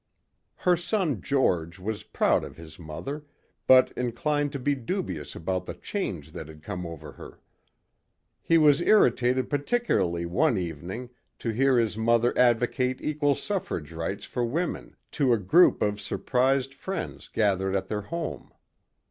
Her son George was proud of his mother but inclined to be dubious about the change that had come over her. He was irritated particularly one evening to hear his mother advocate equal suffrage rights for women to a group of surprised friends gathered at their home.